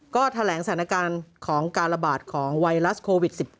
ก็แถลงสถานการณ์ของการระบาดของไวรัสโควิด๑๙